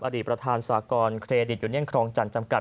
อดีตประธานสากรเครดิตยูเนียนครองจันทร์จำกัด